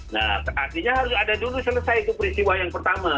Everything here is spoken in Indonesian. nah artinya harus ada dulu selesai itu peristiwa yang pertama